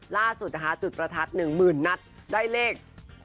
ล่าสุดนะคะจุดประทัดหนึ่งหมื่นนัดได้เลข๘๖๒